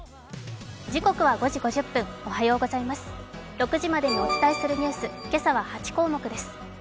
６時までにお伝えするニュース、今朝は８項目です。